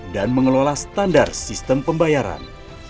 dan mengelola standar sistem pembayaran